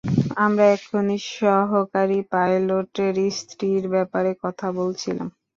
আমরা এক্ষুনি সহকারী পাইলটের স্ত্রীর ব্যাপারে কথা বলছিলাম।